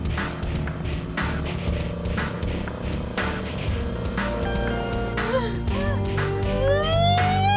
ya allah bilang tuhan